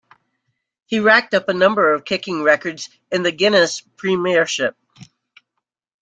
He racked up a number of kicking records in the Guinness Premiership.